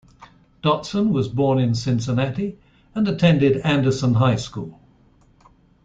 Dotson was born in Cincinnati and attended Anderson High School.